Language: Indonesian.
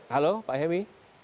halo pak hemi